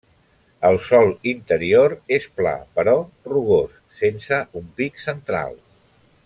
El sòl interior és pla però rugós, sense un pic central.